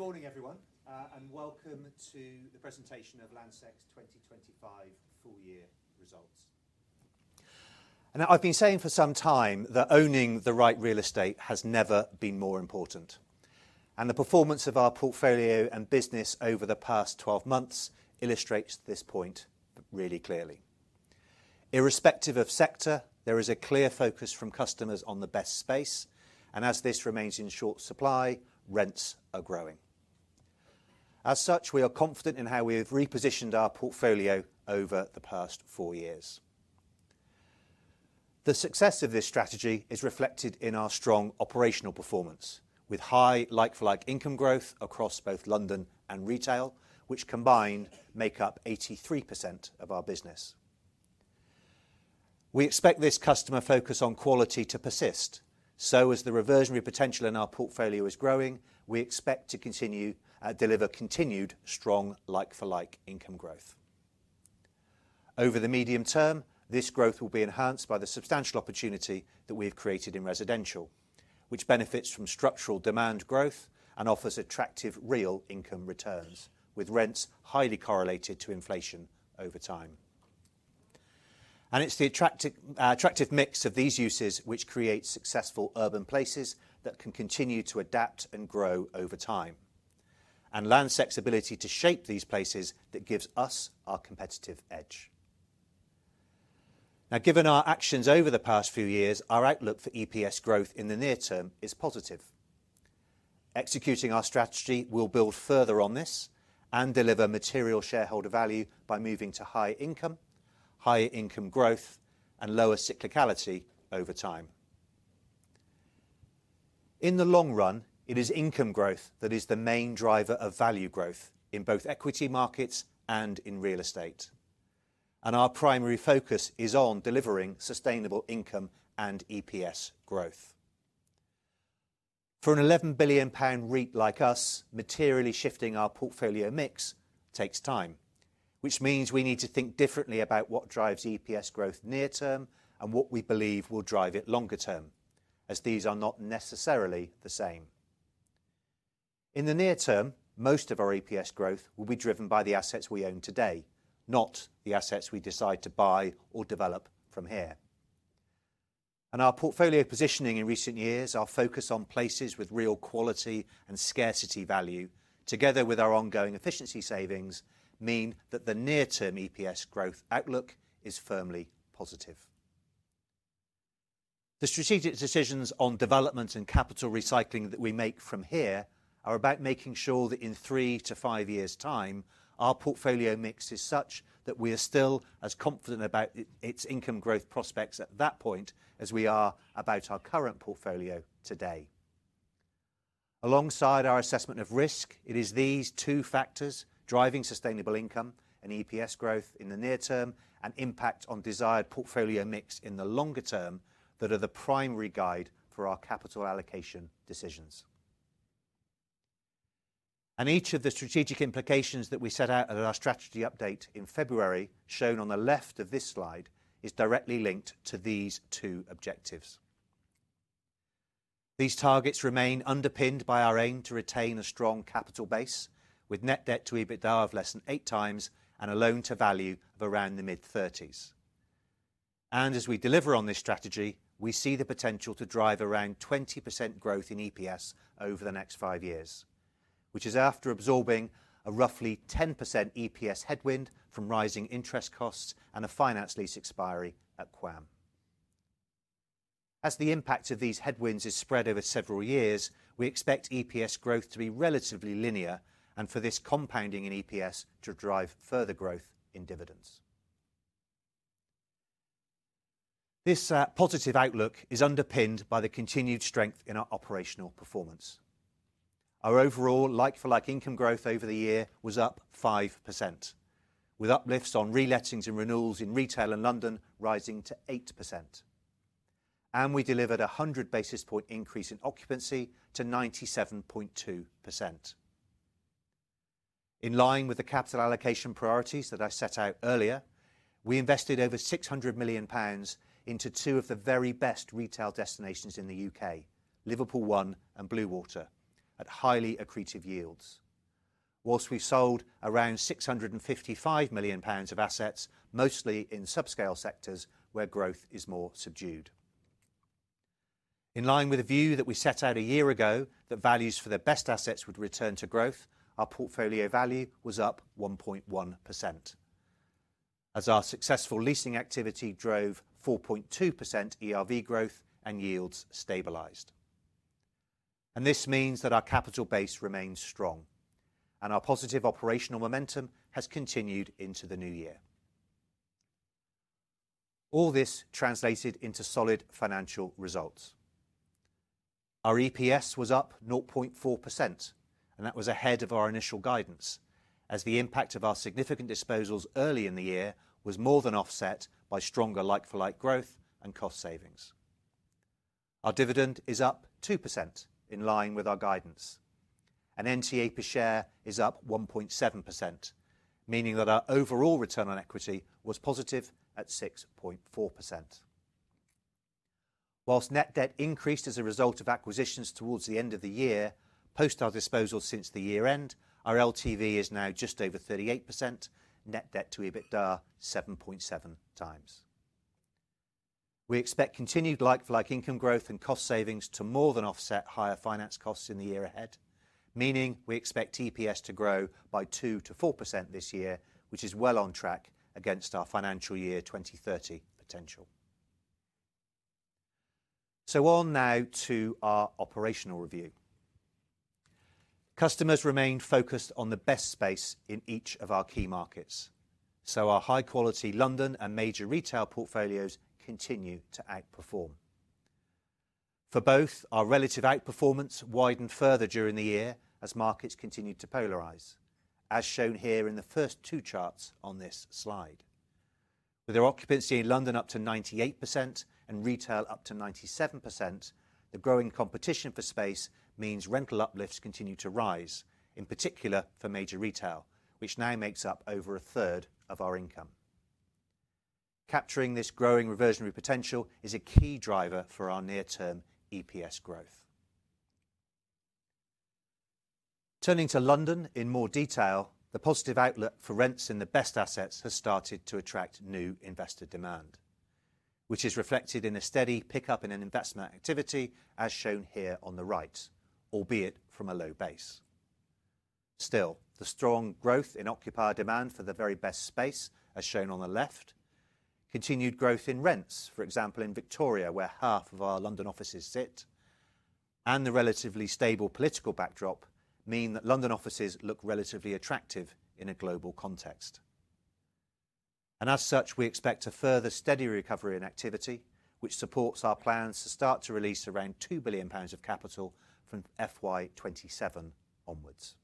Good morning, everyone, and welcome to the presentation of Land Securities Group 2025 full-year results. Now, I've been saying for some time that owning the right real estate has never been more important, and the performance of our portfolio and business over the past 12 months illustrates this point really clearly. Irrespective of sector, there is a clear focus from customers on the best space, and as this remains in short supply, rents are growing. As such, we are confident in how we have repositioned our portfolio over the past four years. The success of this strategy is reflected in our strong operational performance, with high like-for-like income growth across both London and retail, which combined make up 83% of our business. We expect this customer focus on quality to persist. As the reversionary potential in our portfolio is growing, we expect to continue to deliver continued strong like-for-like income growth. Over the medium term, this growth will be enhanced by the substantial opportunity that we have created in residential, which benefits from structural demand growth and offers attractive real income returns, with rents highly correlated to inflation over time. It is the attractive mix of these uses which creates successful urban places that can continue to adapt and grow over time, and Land Sec's ability to shape these places that gives us our competitive edge. Now, given our actions over the past few years, our outlook for EPS growth in the near term is positive. Executing our strategy will build further on this and deliver material shareholder value by moving to high income, higher income growth, and lower cyclicality over time. In the long run, it is income growth that is the main driver of value growth in both equity markets and in real estate, and our primary focus is on delivering sustainable income and EPS growth. For a 11 billion pound REIT like us, materially shifting our portfolio mix takes time, which means we need to think differently about what drives EPS growth near term and what we believe will drive it longer term, as these are not necessarily the same. In the near term, most of our EPS growth will be driven by the assets we own today, not the assets we decide to buy or develop from here. Our portfolio positioning in recent years, our focus on places with real quality and scarcity value, together with our ongoing efficiency savings, mean that the near-term EPS growth outlook is firmly positive. The strategic decisions on development and capital recycling that we make from here are about making sure that in three to five years' time, our portfolio mix is such that we are still as confident about its income growth prospects at that point as we are about our current portfolio today. Alongside our assessment of risk, it is these two factors driving sustainable income and EPS growth in the near term and impact on desired portfolio mix in the longer term that are the primary guide for our capital allocation decisions. Each of the strategic implications that we set out at our strategy update in February, shown on the left of this slide, is directly linked to these two objectives. These targets remain underpinned by our aim to retain a strong capital base with net debt to EBITDA of less than eight times and a loan-to-value of around the mid-30s. As we deliver on this strategy, we see the potential to drive around 20% growth in EPS over the next five years, which is after absorbing a roughly 10% EPS headwind from rising interest costs and a finance lease expiry at Queen Anne's Mansions. As the impact of these headwinds is spread over several years, we expect EPS growth to be relatively linear and for this compounding in EPS to drive further growth in dividends. This positive outlook is underpinned by the continued strength in our operational performance. Our overall like-for-like income growth over the year was up 5%, with uplifts on relettings and renewals in retail and London rising to 8%. We delivered a 100 basis point increase in occupancy to 97.2%. In line with the capital allocation priorities that I set out earlier, we invested over 600 million pounds into two of the very best retail destinations in the U.K., Liverpool One and Bluewater, at highly accretive yields. Whilst we've sold around 655 million pounds of assets, mostly in subscale sectors where growth is more subdued. In line with a view that we set out a year ago that values for the best assets would return to growth, our portfolio value was up 1.1%, as our successful leasing activity drove 4.2% ERV growth and yields stabilized. This means that our capital base remains strong, and our positive operational momentum has continued into the new year. All this translated into solid financial results. Our EPS was up 0.4%, and that was ahead of our initial guidance, as the impact of our significant disposals early in the year was more than offset by stronger like-for-like growth and cost savings. Our dividend is up 2% in line with our guidance, and NTA per share is up 1.7%, meaning that our overall return on equity was positive at 6.4%. Whilst net debt increased as a result of acquisitions towards the end of the year, post our disposals since the year-end, our LTV is now just over 38%, net debt to EBITDA 7.7 times. We expect continued like-for-like income growth and cost savings to more than offset higher finance costs in the year ahead, meaning we expect EPS to grow by 2%-4% this year, which is well on track against our financial year 2030 potential. On now to our operational review. Customers remained focused on the best space in each of our key markets, so our high-quality London and major retail portfolios continue to outperform. For both, our relative outperformance widened further during the year as markets continued to polarize, as shown here in the first two charts on this slide. With their occupancy in London up to 98% and retail up to 97%, the growing competition for space means rental uplifts continue to rise, in particular for major retail, which now makes up over a third of our income. Capturing this growing reversionary potential is a key driver for our near-term EPS growth. Turning to London in more detail, the positive outlook for rents in the best assets has started to attract new investor demand, which is reflected in a steady pickup in investment activity, as shown here on the right, albeit from a low base. Still, the strong growth in occupier demand for the very best space, as shown on the left, continued growth in rents, for example, in Victoria, where half of our London offices sit, and the relatively stable political backdrop mean that London offices look relatively attractive in a global context. As such, we expect a further steady recovery in activity, which supports our plans to start to release around 2 billion pounds of capital from FY 2027 onwards.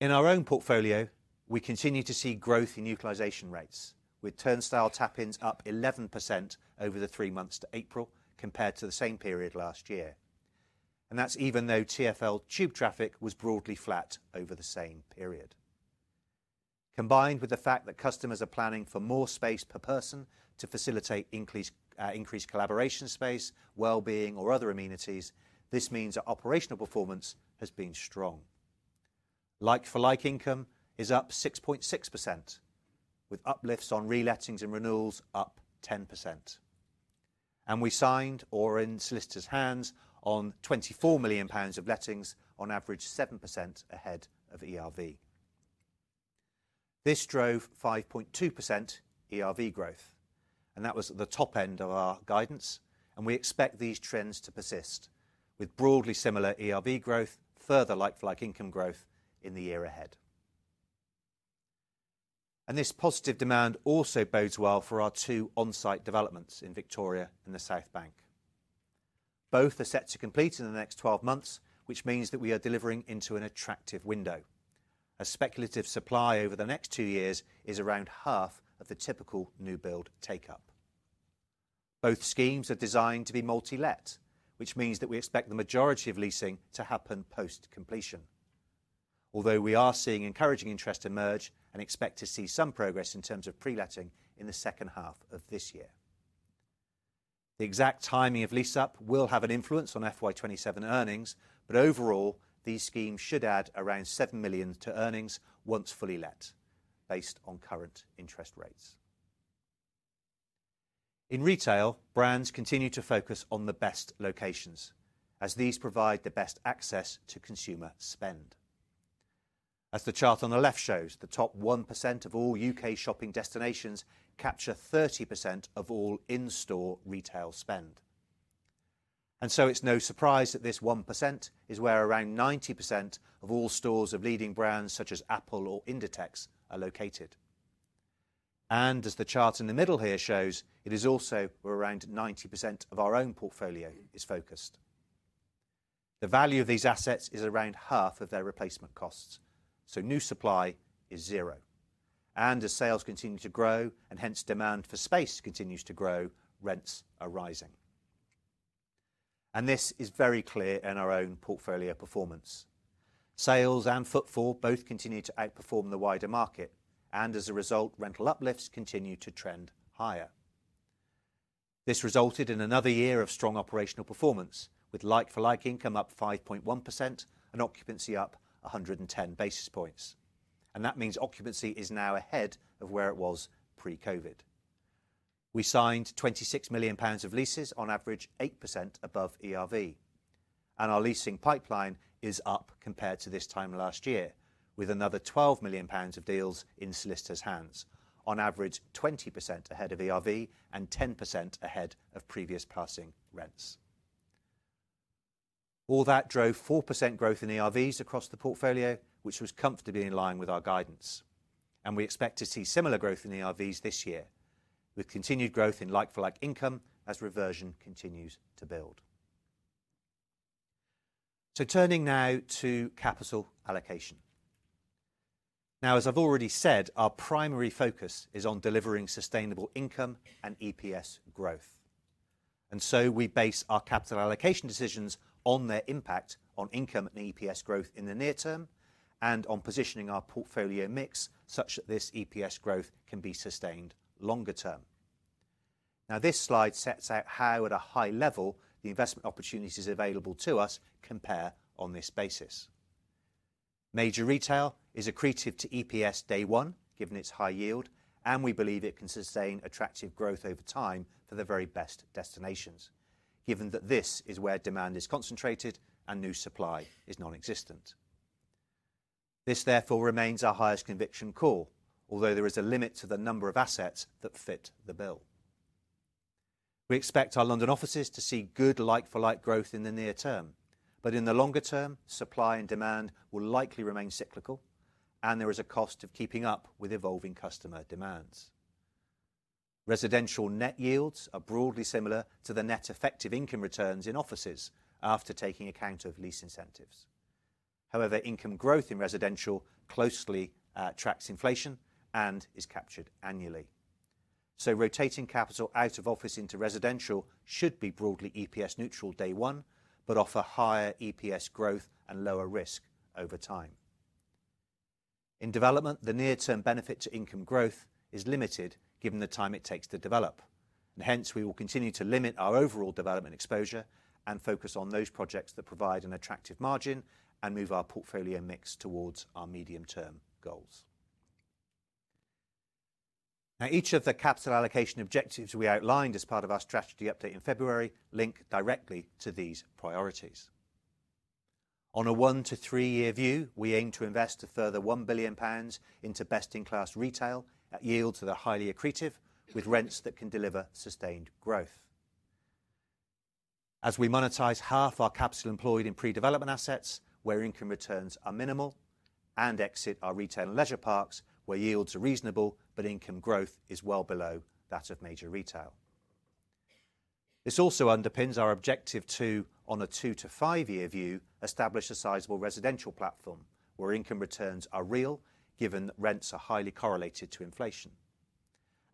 In our own portfolio, we continue to see growth in utilization rates, with turnstile tappings up 11% over the three months to April compared to the same period last year. That is even though TFL tube traffic was broadly flat over the same period. Combined with the fact that customers are planning for more space per person to facilitate increased collaboration space, well-being, or other amenities, this means that operational performance has been strong. Like-for-like income is up 6.6%, with uplifts on relettings and renewals up 10%. We signed or in solicitors' hands on 24 million pounds of lettings on average 7% ahead of ERV. This drove 5.2% ERV growth, and that was the top end of our guidance. We expect these trends to persist with broadly similar ERV growth, further like-for-like income growth in the year ahead. This positive demand also bodes well for our two on-site developments in Victoria and the South Bank. Both are set to complete in the next 12 months, which means that we are delivering into an attractive window, as speculative supply over the next two years is around half of the typical new build take-up. Both schemes are designed to be multi-let, which means that we expect the majority of leasing to happen post-completion, although we are seeing encouraging interest emerge and expect to see some progress in terms of pre-letting in the second half of this year. The exact timing of lease-up will have an influence on FY2027 earnings, but overall, these schemes should add around 7 million to earnings once fully let, based on current interest rates. In retail, brands continue to focus on the best locations, as these provide the best access to consumer spend. As the chart on the left shows, the top 1% of all U.K. shopping destinations capture 30% of all in-store retail spend. It is no surprise that this 1% is where around 90% of all stores of leading brands such as Apple or Inditex are located. As the chart in the middle here shows, it is also where around 90% of our own portfolio is focused. The value of these assets is around half of their replacement costs, so new supply is zero. As sales continue to grow and hence demand for space continues to grow, rents are rising. This is very clear in our own portfolio performance. Sales and footfall both continue to outperform the wider market, and as a result, rental uplifts continue to trend higher. This resulted in another year of strong operational performance, with like-for-like income up 5.1% and occupancy up 110 basis points. That means occupancy is now ahead of where it was pre-COVID. We signed 26 million pounds of leases on average 8% above ERV. Our leasing pipeline is up compared to this time last year, with another 12 million pounds of deals in solicitors' hands, on average 20% ahead of ERV and 10% ahead of previous passing rents. All that drove 4% growth in ERVs across the portfolio, which was comfortably in line with our guidance. We expect to see similar growth in ERVs this year, with continued growth in like-for-like income as reversion continues to build. Turning now to capital allocation. As I've already said, our primary focus is on delivering sustainable income and EPS growth. We base our capital allocation decisions on their impact on income and EPS growth in the near term and on positioning our portfolio mix such that this EPS growth can be sustained longer term. Now, this slide sets out how, at a high level, the investment opportunities available to us compare on this basis. Major retail is accretive to EPS day one, given its high yield, and we believe it can sustain attractive growth over time for the very best destinations, given that this is where demand is concentrated and new supply is non-existent. This, therefore, remains our highest conviction call, although there is a limit to the number of assets that fit the bill. We expect our London offices to see good like-for-like growth in the near term, but in the longer term, supply and demand will likely remain cyclical, and there is a cost of keeping up with evolving customer demands. Residential net yields are broadly similar to the net effective income returns in offices after taking account of lease incentives. However, income growth in residential closely tracks inflation and is captured annually. Rotating capital out of office into residential should be broadly EPS neutral day one, but offer higher EPS growth and lower risk over time. In development, the near-term benefit to income growth is limited given the time it takes to develop. We will continue to limit our overall development exposure and focus on those projects that provide an attractive margin and move our portfolio mix towards our medium-term goals. Each of the capital allocation objectives we outlined as part of our strategy update in February link directly to these priorities. On a one- to three-year view, we aim to invest a further 1 billion pounds into best-in-class retail at yields that are highly accretive, with rents that can deliver sustained growth. As we monetize half our capital employed in pre-development assets where income returns are minimal, and exit our retail and leisure parks where yields are reasonable but income growth is well below that of major retail. This also underpins our objective to, on a two- to five-year view, establish a sizable residential platform where income returns are real, given that rents are highly correlated to inflation.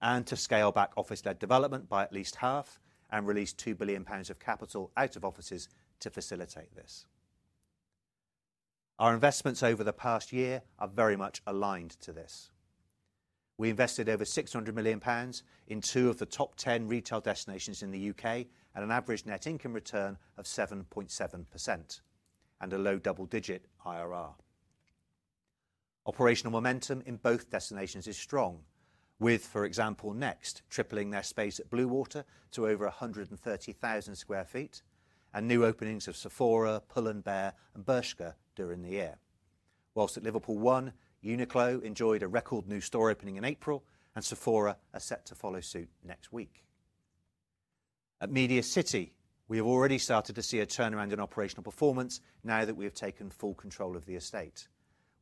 To scale back office-led development by at least half and release 2 billion pounds of capital out of offices to facilitate this. Our investments over the past year are very much aligned to this. We invested over 600 million pounds in two of the top 10 retail destinations in the U.K. at an average net income return of 7.7% and a low double-digit IRR. Operational momentum in both destinations is strong, with, for example, Next tripling their space at Bluewater to over 130,000 sq ft and new openings of Sephora, Pull & Bear, and Bershka during the year. Whilst at Liverpool One, Uniqlo enjoyed a record new store opening in April, and Sephora are set to follow suit next week. At Media City, we have already started to see a turnaround in operational performance now that we have taken full control of the estate,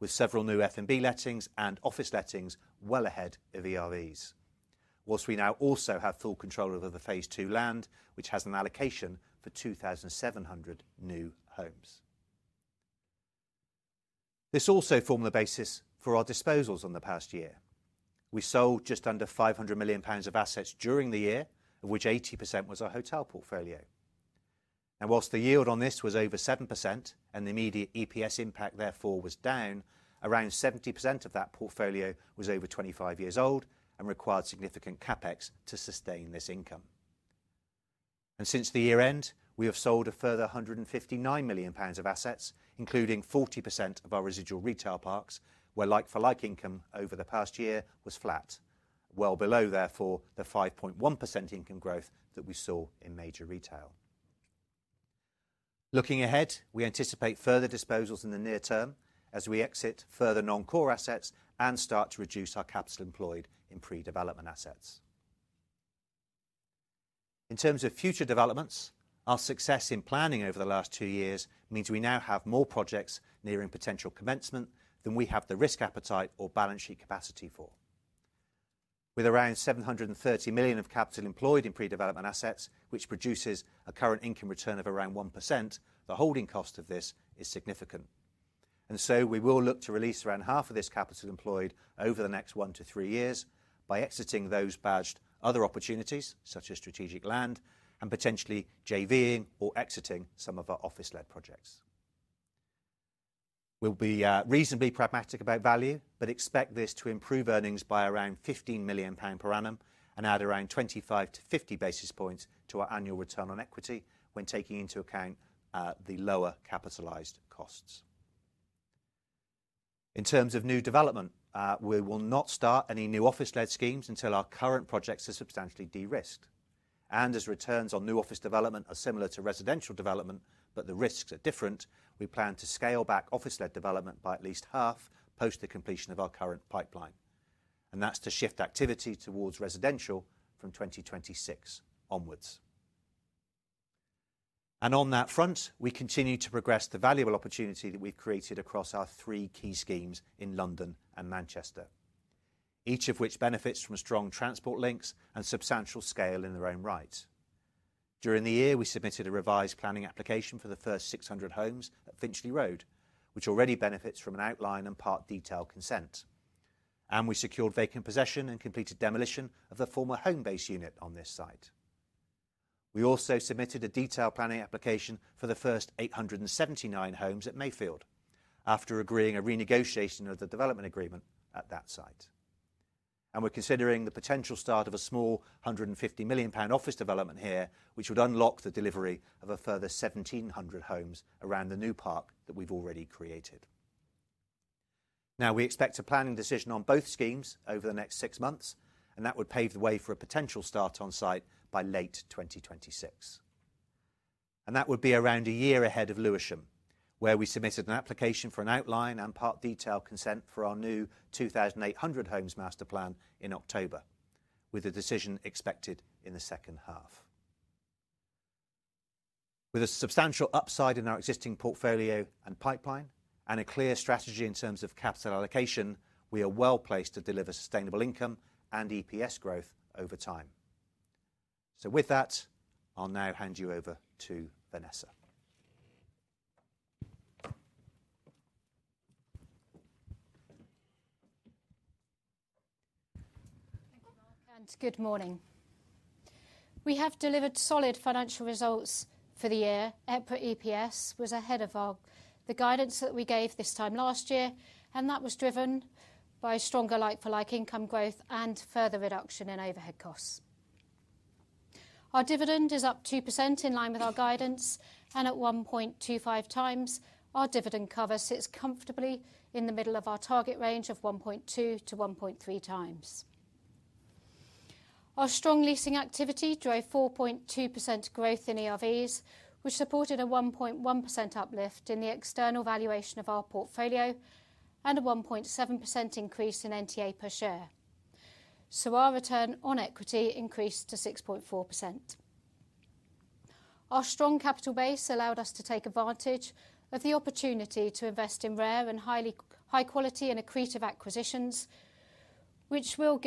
with several new F&B lettings and office lettings well ahead of ERVs. Whilst we now also have full control over the phase two land, which has an allocation for 2,700 new homes. This also formed the basis for our disposals on the past year. We sold just under 500 million pounds of assets during the year, of which 80% was our hotel portfolio. Whilst the yield on this was over 7% and the immediate EPS impact, therefore, was down, around 70% of that portfolio was over 25 years old and required significant CapEx to sustain this income. Since the year-end, we have sold a further 159 million pounds of assets, including 40% of our residual retail parks, where like-for-like income over the past year was flat, well below, therefore, the 5.1% income growth that we saw in major retail. Looking ahead, we anticipate further disposals in the near term as we exit further non-core assets and start to reduce our capital employed in pre-development assets. In terms of future developments, our success in planning over the last two years means we now have more projects nearing potential commencement than we have the risk appetite or balance sheet capacity for. With around 730 million of capital employed in pre-development assets, which produces a current income return of around 1%, the holding cost of this is significant. We will look to release around half of this capital employed over the next one to three years by exiting those badged other opportunities, such as strategic land, and potentially JVing or exiting some of our office-led projects. We will be reasonably pragmatic about value, but expect this to improve earnings by around 15 million pound per annum and add around 25-50 basis points to our annual return on equity when taking into account the lower capitalized costs. In terms of new development, we will not start any new office-led schemes until our current projects are substantially de-risked. Returns on new office development are similar to residential development, but the risks are different. We plan to scale back office-led development by at least half post the completion of our current pipeline. That is to shift activity towards residential from 2026 onwards. On that front, we continue to progress the valuable opportunity that we have created across our three key schemes in London and Manchester, each of which benefits from strong transport links and substantial scale in their own right. During the year, we submitted a revised planning application for the first 600 homes at Finchley Road, which already benefits from an outline and part detail consent. We secured vacant possession and completed demolition of the former Homebase unit on this site. We also submitted a detailed planning application for the first 879 homes at Mayfield after agreeing a renegotiation of the development agreement at that site. We are considering the potential start of a small 150 million pound office development here, which would unlock the delivery of a further 1,700 homes around the new park that we have already created. We expect a planning decision on both schemes over the next six months, and that would pave the way for a potential start on site by late 2026. That would be around a year ahead of Lewisham, where we submitted an application for an outline and part detail consent for our new 2,800 homes master plan in October, with a decision expected in the second half. With a substantial upside in our existing portfolio and pipeline, and a clear strategy in terms of capital allocation, we are well placed to deliver sustainable income and EPS growth over time. With that, I'll now hand you over to Vanessa. Thank you, Mark. Good morning. We have delivered solid financial results for the year. EPS was ahead of the guidance that we gave this time last year, and that was driven by stronger like-for-like income growth and further reduction in overhead costs. Our dividend is up 2% in line with our guidance, and at 1.25 times, our dividend cover sits comfortably in the middle of our target range of 1.2-1.3 times. Our strong leasing activity drove 4.2% growth in ERVs, which supported a 1.1% uplift in the external valuation of our portfolio and a 1.7% increase in NTA per share. Our return on equity increased to 6.4%. Our strong capital base allowed us to take advantage of the opportunity to invest in rare and high-quality and accretive acquisitions, which will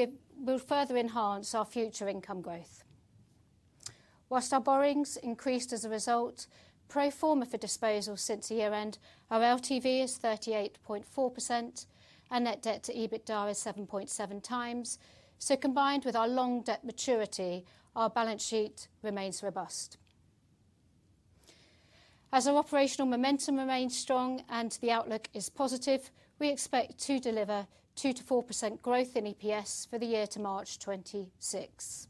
further enhance our future income growth. Whilst our borrowings increased as a result, pro forma for disposals since the year-end, our LTV is 38.4%, and net debt to EBITDA is 7.7 times. Combined with our long debt maturity, our balance sheet remains robust. As our operational momentum remains strong and the outlook is positive, we expect to deliver 2-4% growth in EPS for the year to March 2026.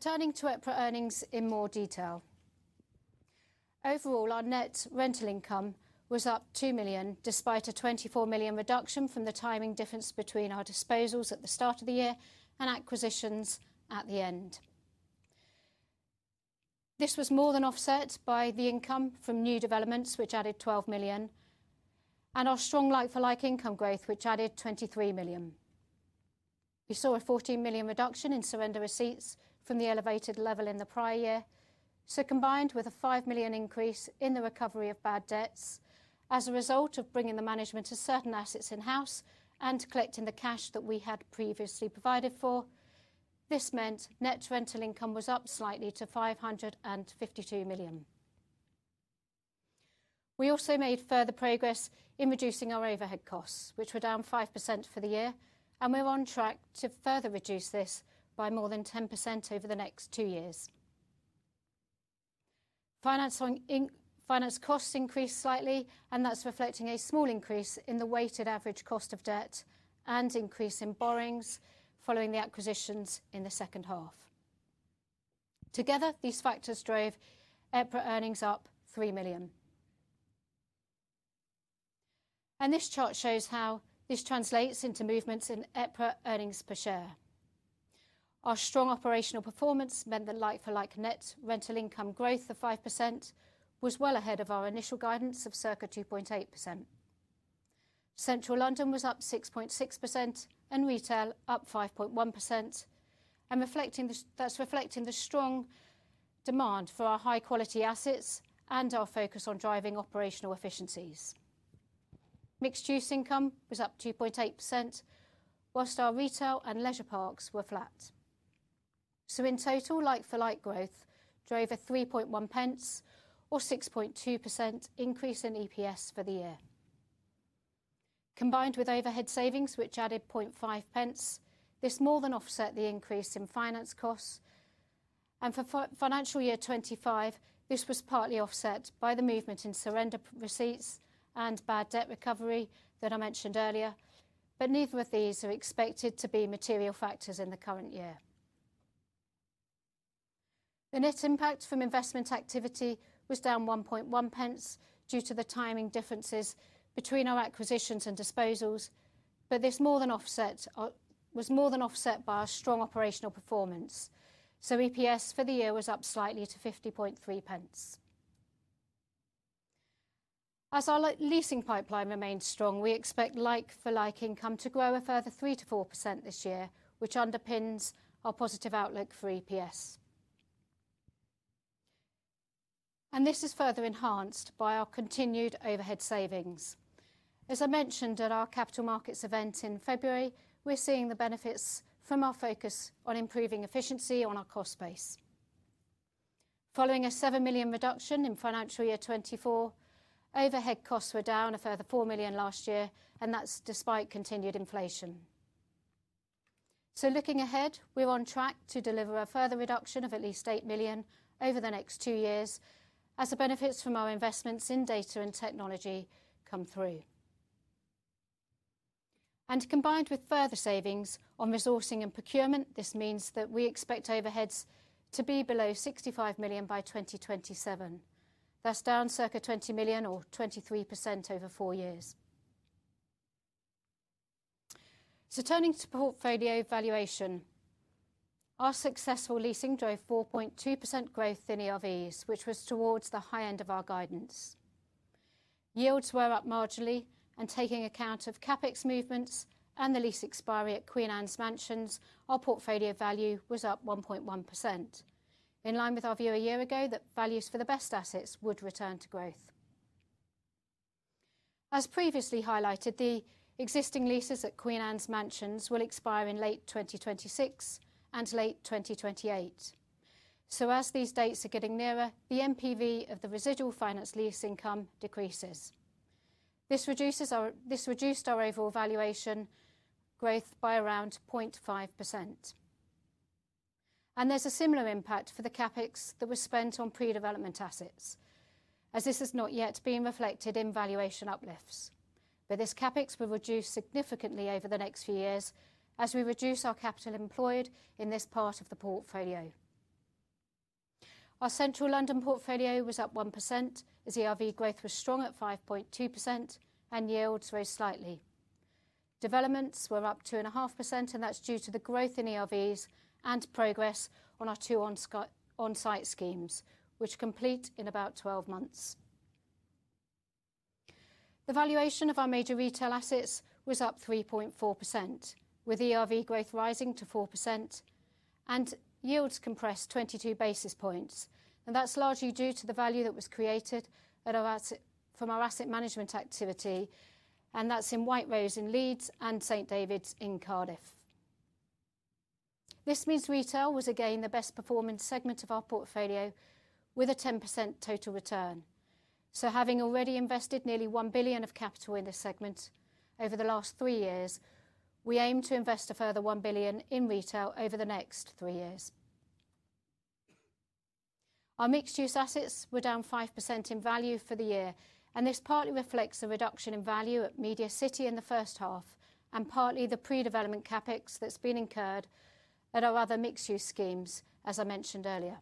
Turning to EPS earnings in more detail. Overall, our net rental income was up 2 million despite a 24 million reduction from the timing difference between our disposals at the start of the year and acquisitions at the end. This was more than offset by the income from new developments, which added 12 million, and our strong like-for-like income growth, which added 23 million. We saw a 14 million reduction in surrender receipts from the elevated level in the prior year. Combined with a 5 million increase in the recovery of bad debts as a result of bringing the management to certain assets in-house and collecting the cash that we had previously provided for, this meant net rental income was up slightly to 552 million. We also made further progress in reducing our overhead costs, which were down 5% for the year, and we're on track to further reduce this by more than 10% over the next two years. Finance costs increased slightly, and that's reflecting a small increase in the weighted average cost of debt and increase in borrowings following the acquisitions in the second half. Together, these factors drove EPS earnings up GBP 3 million. This chart shows how this translates into movements in EPS per share. Our strong operational performance meant that like-for-like net rental income growth of 5% was well ahead of our initial guidance of circa 2.8%. Central London was up 6.6% and retail up 5.1%, and that is reflecting the strong demand for our high-quality assets and our focus on driving operational efficiencies. Mixed-use income was up 2.8%, whilst our retail and leisure parks were flat. In total, like-for-like growth drove a 3.1 pence or 6.2% increase in EPS for the year. Combined with overhead savings, which added 0.5 pence, this more than offset the increase in finance costs. For financial year 2025, this was partly offset by the movement in surrender receipts and bad debt recovery that I mentioned earlier, but neither of these are expected to be material factors in the current year. The net impact from investment activity was down 1.1 pence due to the timing differences between our acquisitions and disposals. This was more than offset by our strong operational performance. EPS for the year was up slightly to 50.3 pence. As our leasing pipeline remains strong, we expect like-for-like income to grow a further 3-4% this year, which underpins our positive outlook for EPS. This is further enhanced by our continued overhead savings. As I mentioned at our capital markets event in February, we are seeing the benefits from our focus on improving efficiency on our cost base. Following a 7 million reduction in financial year 2024, overhead costs were down a further 4 million last year, and that's despite continued inflation. Looking ahead, we're on track to deliver a further reduction of at least 8 million over the next two years as the benefits from our investments in data and technology come through. Combined with further savings on resourcing and procurement, this means that we expect overheads to be below 65 million by 2027. That is down circa 20 million or 23% over four years. Turning to portfolio valuation, our successful leasing drove 4.2% growth in ERVs, which was towards the high end of our guidance. Yields were up marginally, and taking account of CapEx movements and the lease expiry at Queen Anne's Mansions, our portfolio value was up 1.1%. In line with our view a year ago that values for the best assets would return to growth. As previously highlighted, the existing leases at Queen Anne's Mansions will expire in late 2026 and late 2028. As these dates are getting nearer, the MPV of the residual finance lease income decreases. This reduced our overall valuation growth by around 0.5%. There is a similar impact for the CapEx that was spent on pre-development assets, as this has not yet been reflected in valuation uplifts. This CapEx will reduce significantly over the next few years as we reduce our capital employed in this part of the portfolio. Our central London portfolio was up 1% as ERV growth was strong at 5.2% and yields rose slightly. Developments were up 2.5%, and that's due to the growth in ERVs and progress on our two on-site schemes, which complete in about 12 months. The valuation of our major retail assets was up 3.4%, with ERV growth rising to 4%, and yields compressed 22 basis points. That is largely due to the value that was created from our asset management activity, and that's in White Rose in Leeds and St. David's in Cardiff. This means retail was again the best-performing segment of our portfolio with a 10% total return. Having already invested nearly 1 billion of capital in this segment over the last three years, we aim to invest a further 1 billion in retail over the next three years. Our mixed-use assets were down 5% in value for the year, and this partly reflects the reduction in value at Media City in the first half and partly the pre-development CapEx that has been incurred at our other mixed-use schemes, as I mentioned earlier.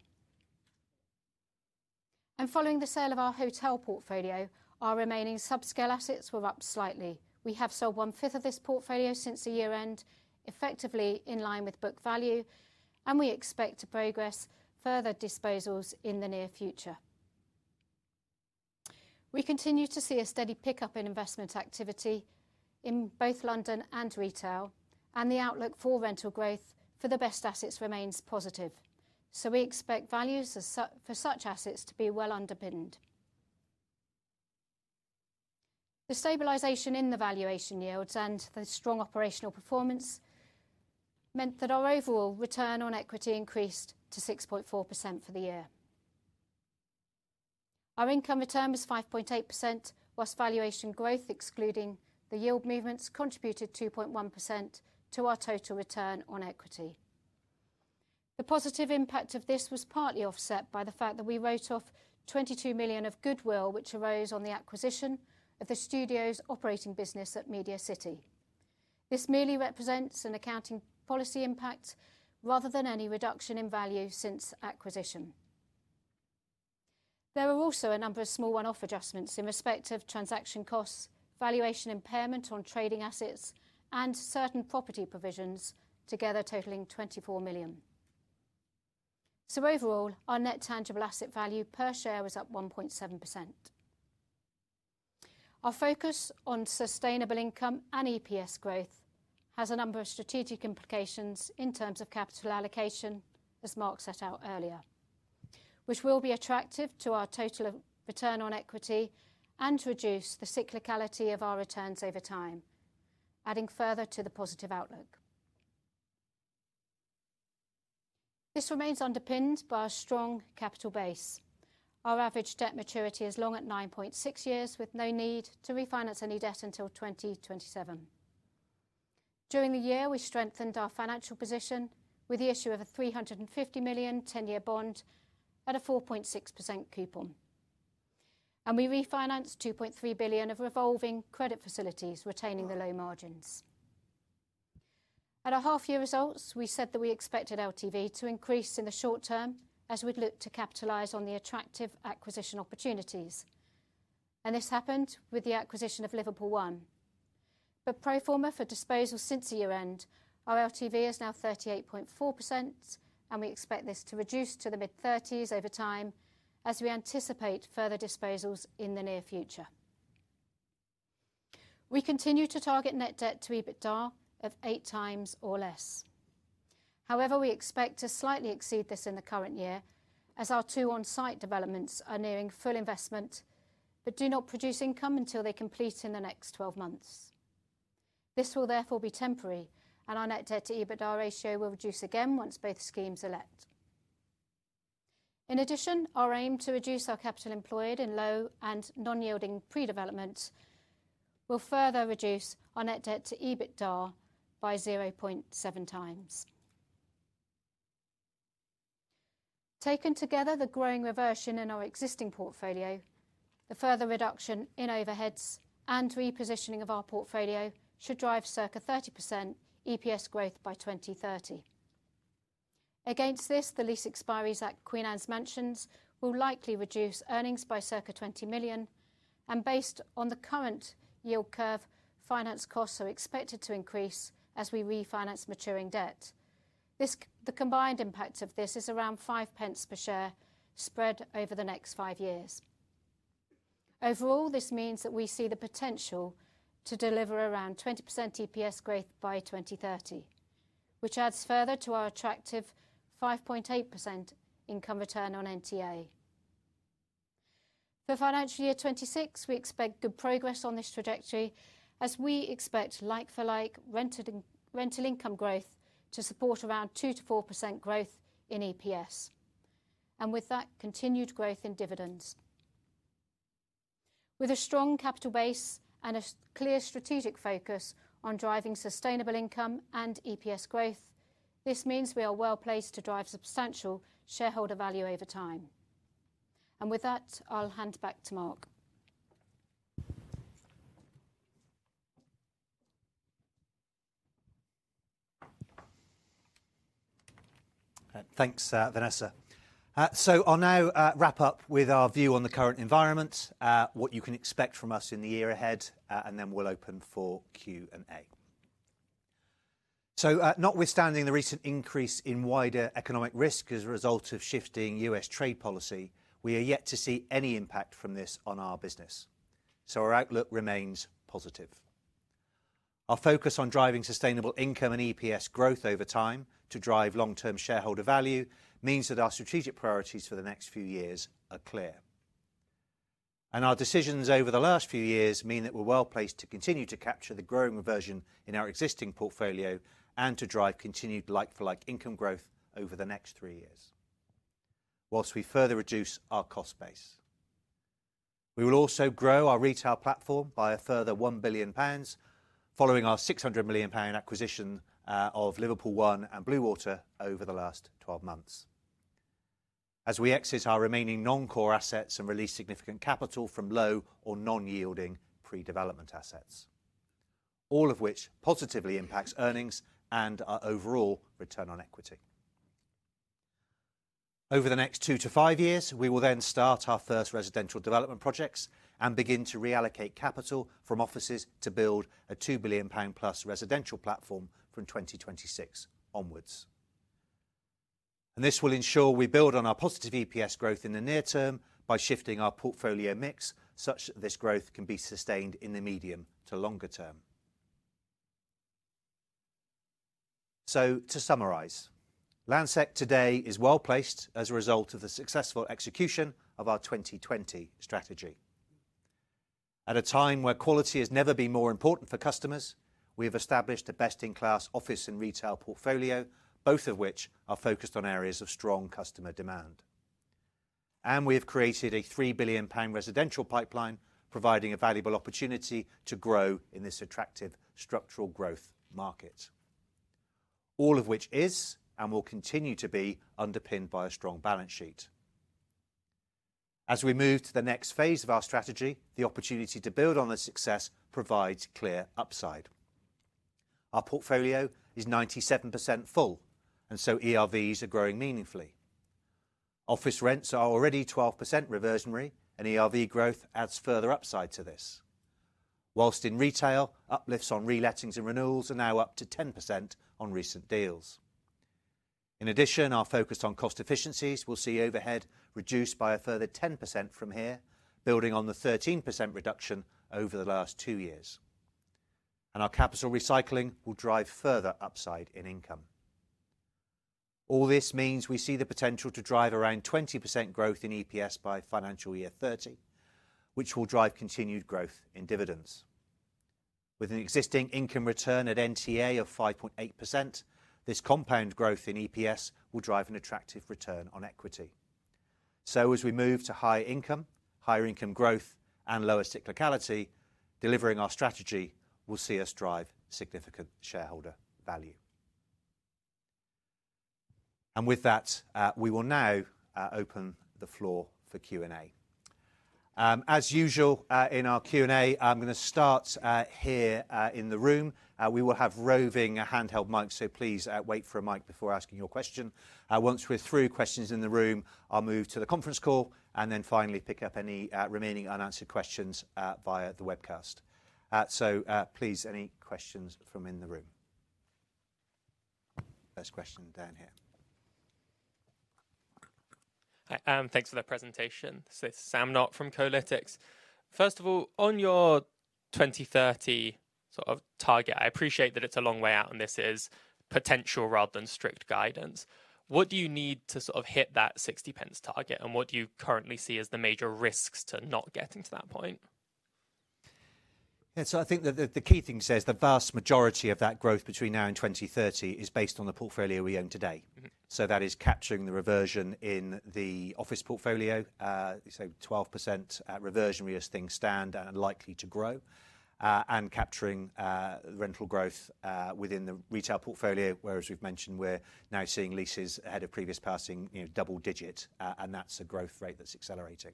Following the sale of our hotel portfolio, our remaining subscale assets were up slightly. We have sold one-fifth of this portfolio since the year-end, effectively in line with book value, and we expect to progress further disposals in the near future. We continue to see a steady pickup in investment activity in both London and retail, and the outlook for rental growth for the best assets remains positive. We expect values for such assets to be well underpinned. The stabilization in the valuation yields and the strong operational performance meant that our overall return on equity increased to 6.4% for the year. Our income return was 5.8%, whilst valuation growth, excluding the yield movements, contributed 2.1% to our total return on equity. The positive impact of this was partly offset by the fact that we wrote off 22 million of goodwill, which arose on the acquisition of the studio's operating business at Media City. This merely represents an accounting policy impact rather than any reduction in value since acquisition. There were also a number of small one-off adjustments in respect of transaction costs, valuation impairment on trading assets, and certain property provisions, together totaling 24 million. Overall, our net tangible asset value per share was up 1.7%. Our focus on sustainable income and EPS growth has a number of strategic implications in terms of capital allocation, as Mark set out earlier, which will be attractive to our total return on equity and reduce the cyclicality of our returns over time, adding further to the positive outlook. This remains underpinned by our strong capital base. Our average debt maturity is long at 9.6 years, with no need to refinance any debt until 2027. During the year, we strengthened our financial position with the issue of a 350 million 10-year bond at a 4.6% coupon. We refinanced 2.3 billion of revolving credit facilities, retaining the low margins. At our half-year results, we said that we expected LTV to increase in the short term as we'd look to capitalize on the attractive acquisition opportunities. This happened with the acquisition of Liverpool One. Pro forma for disposals since the year-end, our LTV is now 38.4%, and we expect this to reduce to the mid-30s over time as we anticipate further disposals in the near future. We continue to target net debt to EBITDA of eight times or less. However, we expect to slightly exceed this in the current year as our two on-site developments are nearing full investment but do not produce income until they complete in the next 12 months. This will therefore be temporary, and our net debt to EBITDA ratio will reduce again once both schemes are let. In addition, our aim to reduce our capital employed in low and non-yielding pre-development will further reduce our net debt to EBITDA by 0.7 times. Taken together, the growing reversion in our existing portfolio, the further reduction in overheads and repositioning of our portfolio should drive circa 30% EPS growth by 2030. Against this, the lease expiry at Queen Anne's Mansions will likely reduce earnings by circa 20 million, and based on the current yield curve, finance costs are expected to increase as we refinance maturing debt. The combined impact of this is around 0.05 per share spread over the next five years. Overall, this means that we see the potential to deliver around 20% EPS growth by 2030, which adds further to our attractive 5.8% income return on NTA. For financial year 2026, we expect good progress on this trajectory as we expect like-for-like rental income growth to support around 2-4% growth in EPS, and with that, continued growth in dividends. With a strong capital base and a clear strategic focus on driving sustainable income and EPS growth, this means we are well placed to drive substantial shareholder value over time. With that, I'll hand back to Mark. Thanks, Vanessa. I'll now wrap up with our view on the current environment, what you can expect from us in the year ahead, and then we'll open for Q&A. Notwithstanding the recent increase in wider economic risk as a result of shifting U.S. trade policy, we are yet to see any impact from this on our business. Our outlook remains positive. Our focus on driving sustainable income and EPS growth over time to drive long-term shareholder value means that our strategic priorities for the next few years are clear. Our decisions over the last few years mean that we're well placed to continue to capture the growing reversion in our existing portfolio and to drive continued like-for-like income growth over the next three years, whilst we further reduce our cost base. We will also grow our retail platform by a further 1 billion pounds following our 600 million pound acquisition of Liverpool One and Bluewater over the last 12 months, as we exit our remaining non-core assets and release significant capital from low or non-yielding pre-development assets, all of which positively impacts earnings and our overall return on equity. Over the next two to five years, we will then start our first residential development projects and begin to reallocate capital from offices to build a 2 billion pound plus residential platform from 2026 onwards. This will ensure we build on our positive EPS growth in the near term by shifting our portfolio mix such that this growth can be sustained in the medium to longer term. To summarize, Land Securities Group today is well placed as a result of the successful execution of our 2020 strategy. At a time where quality has never been more important for customers, we have established a best-in-class office and retail portfolio, both of which are focused on areas of strong customer demand. We have created a 3 billion pound residential pipeline, providing a valuable opportunity to grow in this attractive structural growth market, all of which is and will continue to be underpinned by a strong balance sheet. As we move to the next phase of our strategy, the opportunity to build on the success provides clear upside. Our portfolio is 97% full, and so ERVs are growing meaningfully. Office rents are already 12% reversionary, and ERV growth adds further upside to this, whilst in retail, uplifts on relettings and renewals are now up to 10% on recent deals. In addition, our focus on cost efficiencies will see overhead reduced by a further 10% from here, building on the 13% reduction over the last two years. Our capital recycling will drive further upside in income. All this means we see the potential to drive around 20% growth in EPS by financial year 2030, which will drive continued growth in dividends. With an existing income return at NTA of 5.8%, this compound growth in EPS will drive an attractive return on equity. As we move to higher income, higher income growth, and lower cyclicality, delivering our strategy will see us drive significant shareholder value. With that, we will now open the floor for Q&A. As usual in our Q&A, I'm going to start here in the room. We will have roving handheld mics, so please wait for a mic before asking your question. Once we're through questions in the room, I'll move to the conference call and then finally pick up any remaining unanswered questions via the webcast. Please, any questions from in the room? First question down here. Thanks for the presentation. This is Sam Knott from Citigroup. First of all, on your 2030 sort of target, I appreciate that it's a long way out and this is potential rather than strict guidance. What do you need to sort of hit that 60 pence target, and what do you currently see as the major risks to not getting to that point? Yeah, so I think that the key thing is the vast majority of that growth between now and 2030 is based on the portfolio we own today. That is capturing the reversion in the office portfolio, so 12% reversionary as things stand and likely to grow, and capturing rental growth within the retail portfolio, where, as we've mentioned, we're now seeing leases ahead of previous passing, you know, double digit, and that's a growth rate that's accelerating.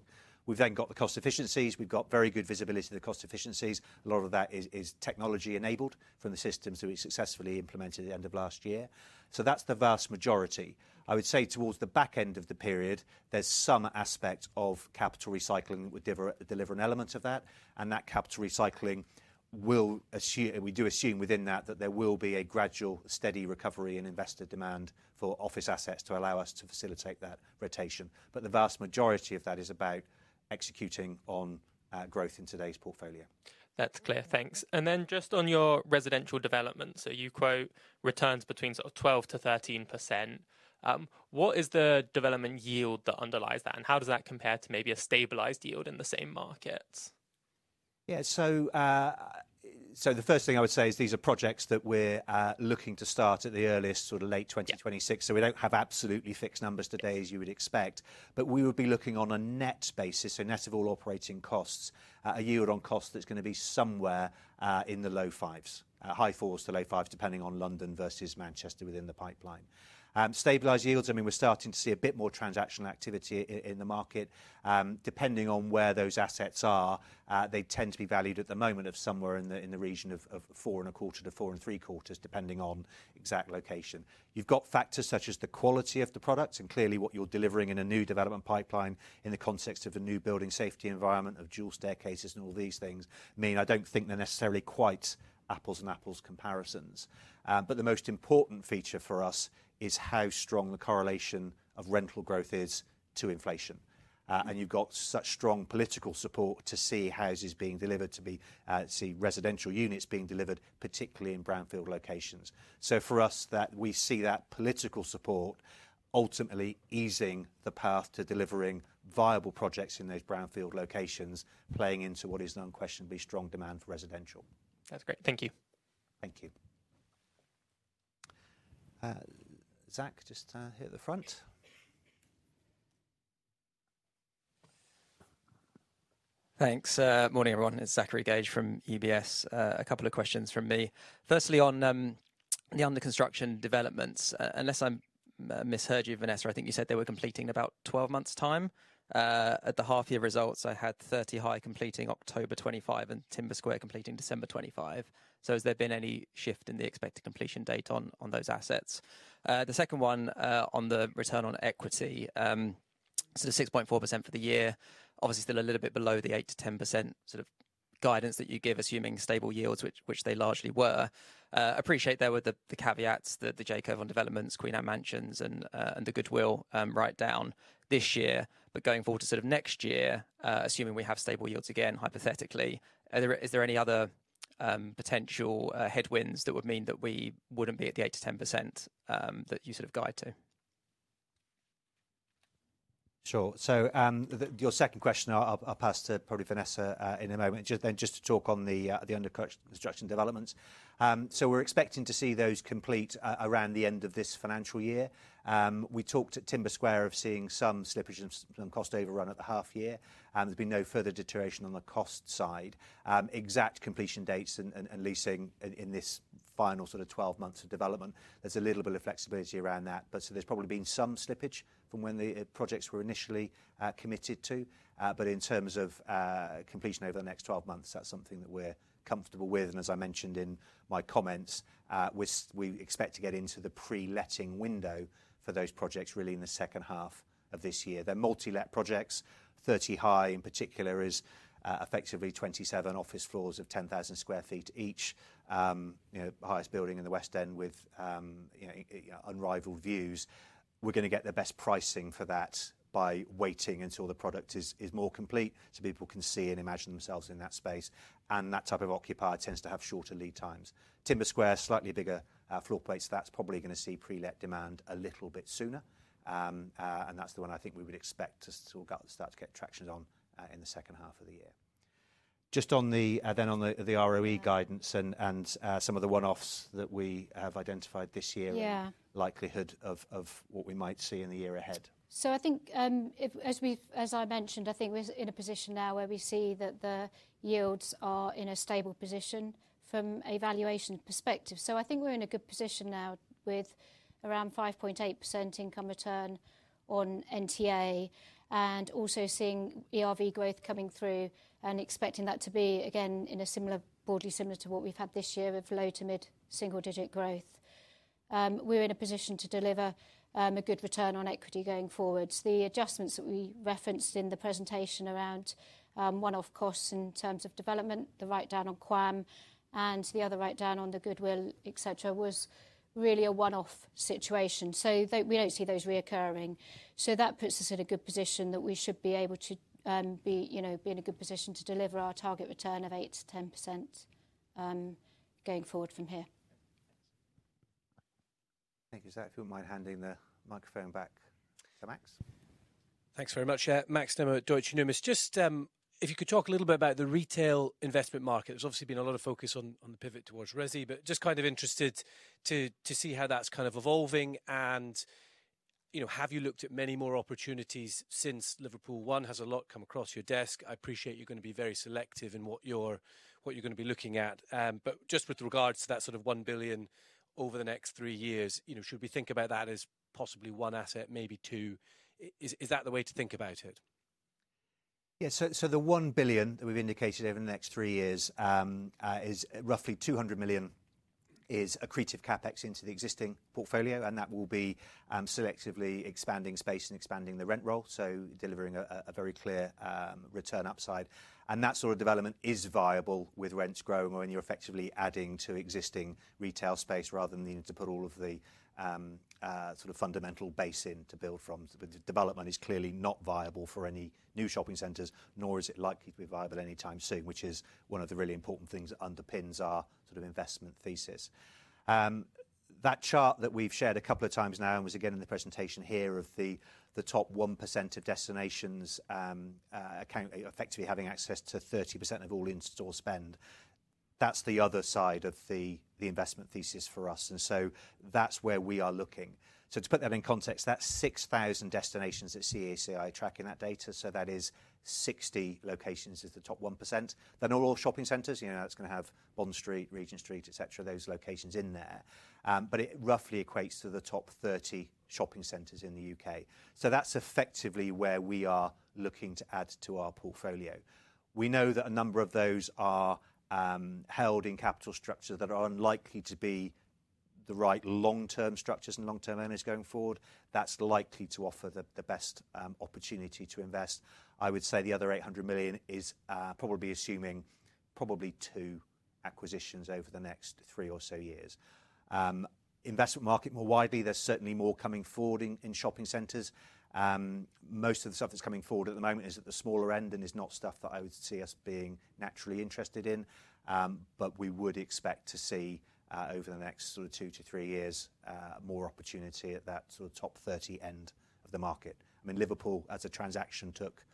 We've then got the cost efficiencies. We've got very good visibility of the cost efficiencies. A lot of that is technology enabled from the systems that we successfully implemented at the end of last year. That's the vast majority. I would say towards the back end of the period, there's some aspect of capital recycling that would deliver an element of that, and that capital recycling will assume, and we do assume within that that there will be a gradual, steady recovery in investor demand for office assets to allow us to facilitate that rotation. The vast majority of that is about executing on growth in today's portfolio. That's clear. Thanks. Just on your residential development, you quote returns between 12-13%. What is the development yield that underlies that, and how does that compare to maybe a stabilized yield in the same markets? Yeah, the first thing I would say is these are projects that we're looking to start at the earliest late 2026. We do not have absolutely fixed numbers today as you would expect, but we would be looking on a net basis, so net of all operating costs, a yield on cost that is going to be somewhere in the low fives, high fours to low fives, depending on London versus Manchester within the pipeline. Stabilized yields, I mean, we are starting to see a bit more transactional activity in the market. Depending on where those assets are, they tend to be valued at the moment at somewhere in the region of 4.25%-4.75%, depending on exact location. You have factors such as the quality of the products and clearly what you are delivering in a new development pipeline in the context of a new building safety environment of dual staircases, and all these things mean I do not think they are necessarily quite apples and apples comparisons. The most important feature for us is how strong the correlation of rental growth is to inflation. You have such strong political support to see houses being delivered, to see residential units being delivered, particularly in brownfield locations. For us, we see that political support ultimately easing the path to delivering viable projects in those brownfield locations, playing into what is non-questionably strong demand for residential. That's great. Thank you. Thank you. Zach, just hit the front. Thanks. Morning everyone. It's Zachary Gauge from UBS. A couple of questions from me. Firstly, on the under construction developments, unless I misheard you, Vanessa, I think you said they were completing in about 12 months' time. At the half-year results, I had 30 High completing October 2025 and Timber Square completing December 2025. Has there been any shift in the expected completion date on those assets? The second one on the return on equity, so the 6.4% for the year, obviously still a little bit below the 8-10% sort of guidance that you give, assuming stable yields, which they largely were. Appreciate there were the caveats that the Jacob on developments, Queen Anne's Mansions and the goodwill write-down this year, but going forward to sort of next year, assuming we have stable yields again, hypothetically, is there any other potential headwinds that would mean that we would not be at the 8-10% that you sort of guide to? Sure. So your second question, I will pass to probably Vanessa in a moment, just then just to talk on the under construction developments. We are expecting to see those complete around the end of this financial year. We talked at Timber Square of seeing some slippage and some cost overrun at the half year, and there has been no further deterioration on the cost side. Exact completion dates and leasing in this final sort of 12 months of development, there is a little bit of flexibility around that. There has probably been some slippage from when the projects were initially committed to. In terms of completion over the next 12 months, that is something that we are comfortable with. As I mentioned in my comments, we expect to get into the pre-letting window for those projects really in the second half of this year. They are multi-let projects. 30 High in particular is effectively 27 office floors of 10,000 sq ft each, you know, highest building in the West End with unrivaled views. We're going to get the best pricing for that by waiting until the product is more complete so people can see and imagine themselves in that space. That type of occupier tends to have shorter lead times. Timber Square, slightly bigger floor plates, that's probably going to see pre-let demand a little bit sooner. That's the one I think we would expect to sort of start to get traction on in the second half of the year. Just on the ROE guidance and some of the one-offs that we have identified this year, likelihood of what we might see in the year ahead. I think as I mentioned, I think we're in a position now where we see that the yields are in a stable position from a valuation perspective. I think we're in a good position now with around 5.8% income return on NTA and also seeing ERV growth coming through and expecting that to be again in a broadly similar way to what we've had this year of low to mid single digit growth. We're in a position to deliver a good return on equity going forwards. The adjustments that we referenced in the presentation around one-off costs in terms of development, the write down on Quam and the other write down on the goodwill, et cetera, was really a one-off situation. We don't see those reoccurring. That puts us in a good position that we should be able to be in a good position to deliver our target return of 8-10% going forward from here. Thank you, Zach. If you wouldn't mind handing the microphone back to Max. Thanks very much, Max Nimmo, Deutsche Numis. Just if you could talk a little bit about the retail investment market. There's obviously been a lot of focus on the pivot towards Rezi, but just kind of interested to see how that's kind of evolving. And, you know, have you looked at many more opportunities since Liverpool One? Has a lot come across your desk? I appreciate you're going to be very selective in what you're going to be looking at. Just with regards to that sort of 1 billion over the next three years, you know, should we think about that as possibly one asset, maybe two? Is that the way to think about it? Yeah, so the 1 billion that we've indicated over the next three years is roughly 200 million is accretive CapEx into the existing portfolio, and that will be selectively expanding space and expanding the rent roll, so delivering a very clear return upside. That sort of development is viable with rents growing or when you're effectively adding to existing retail space rather than needing to put all of the sort of fundamental base in to build from. The development is clearly not viable for any new shopping centers, nor is it likely to be viable anytime soon, which is one of the really important things that underpins our sort of investment thesis. That chart that we've shared a couple of times now and was again in the presentation here of the top 1% of destinations effectively having access to 30% of all in-store spend, that's the other side of the investment thesis for us. That is where we are looking. To put that in context, that's 6,000 destinations that CACI are tracking that data. That is 60 locations is the top 1%. They're not all shopping centers, you know, that's going to have Bond Street, Regent Street, etc, those locations in there. It roughly equates to the top 30 shopping centers in the U.K. That is effectively where we are looking to add to our portfolio. We know that a number of those are held in capital structures that are unlikely to be the right long-term structures and long-term owners going forward. That's likely to offer the best opportunity to invest. I would say the other 800 million is probably assuming probably two acquisitions over the next three or so years. Investment market more widely, there's certainly more coming forward in shopping centres. Most of the stuff that's coming forward at the moment is at the smaller end and is not stuff that I would see us being naturally interested in. We would expect to see over the next sort of two to three years more opportunity at that sort of top 30 end of the market. I mean, Liverpool as a transaction took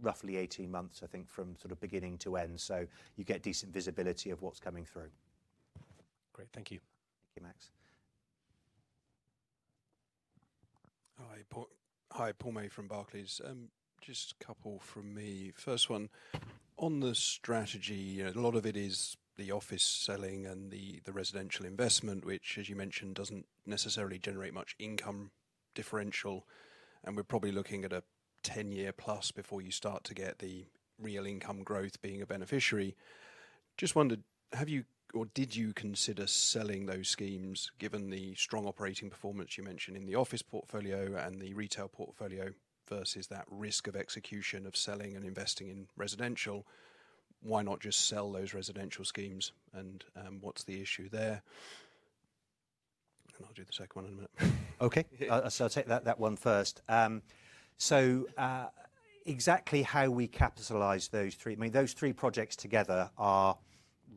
roughly 18 months, I think, from sort of beginning to end. You get decent visibility of what's coming through. Great. Thank you. Thank you, Max. Hi, Paul May from Barclays. Just a couple from me. First one, on the strategy, you know, a lot of it is the office selling and the residential investment, which, as you mentioned, does not necessarily generate much income differential. We are probably looking at a 10-year plus before you start to get the real income growth being a beneficiary. Just wondered, have you or did you consider selling those schemes given the strong operating performance you mentioned in the office portfolio and the retail portfolio versus that risk of execution of selling and investing in residential? Why not just sell those residential schemes and what is the issue there? I will do the second one in a minute. Okay. I will take that one first. Exactly how we capitalize those three, I mean, those three projects together are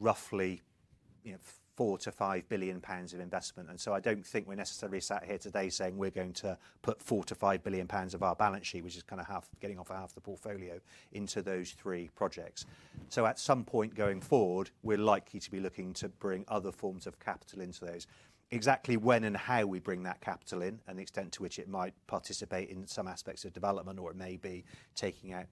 roughly, you know, 4 billion-5 billion pounds of investment. I do not think we are necessarily sat here today saying we are going to put 4-5 billion pounds of our balance sheet, which is kind of half getting off half the portfolio, into those three projects. At some point going forward, we are likely to be looking to bring other forms of capital into those. Exactly when and how we bring that capital in and the extent to which it might participate in some aspects of development or it may be taking out